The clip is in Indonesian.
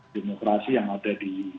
demokrasi yang ada di